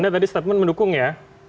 anda tadi statement mendukung ya